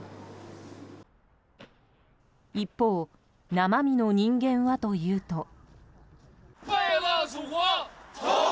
一方生身の人間はというと。